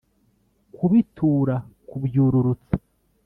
kubitura kubyururutsa